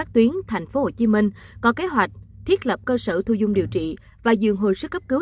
tuyến tp hcm có kế hoạch thiết lập cơ sở thu dung điều trị và dường hồi sức cấp cứu